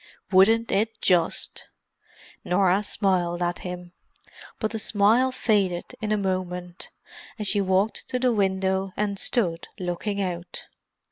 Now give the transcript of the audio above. "Wouldn't it just?" Norah smiled at him; but the smile faded in a moment, and she walked to the window and stood looking out.